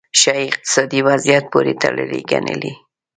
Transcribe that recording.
ښايي اقتصادي وضعیت پورې تړلې ګڼلې.